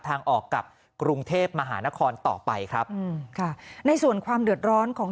ทางออกกับกรุงเทพมหานครต่อไปครับอืมค่ะในส่วนความเดือดร้อนของ